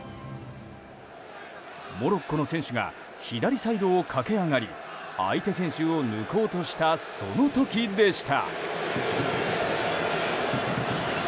モロッコの選手が左サイドを駆け上がり相手選手を抜こうとしたその時でした。